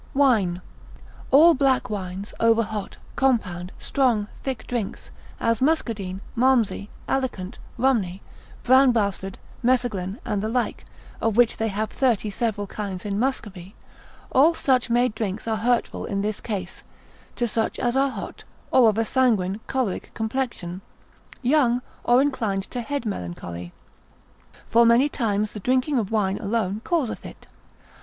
Wine.] All black wines, over hot, compound, strong thick drinks, as Muscadine, Malmsey, Alicant, Rumney, Brownbastard, Metheglen, and the like, of which they have thirty several kinds in Muscovy, all such made drinks are hurtful in this case, to such as are hot, or of a sanguine choleric complexion, young, or inclined to head melancholy. For many times the drinking of wine alone causeth it.